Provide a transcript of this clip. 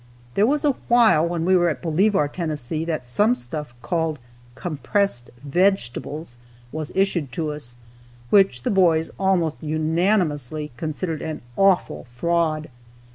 There was a while when we were at Bolivar, Tennessee, that some stuff called "compressed vegetables" was issued to us, which the boys, almost unanimously, considered an awful fraud.